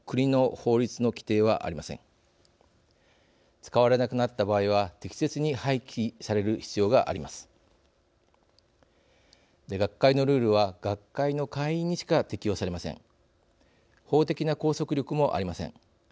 法的な拘束力もありません。